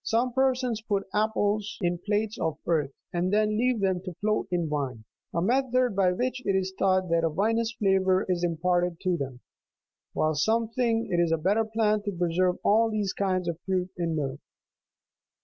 Some persons put apples in plates of earth, and then leave them to float in wine, a method by which it is thought that a vinous flavour is im parted to them : while some think it a better plan to preserve all these kinds of fruit in millet.